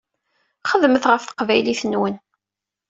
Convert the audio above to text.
Xedmet ɣef teqbaylit-nwen.